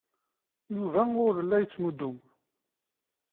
Yuba ur la yettnuddum.